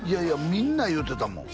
みんな言うてたもん